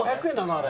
あれ。